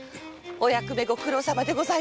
お役目ご苦労さまでございます。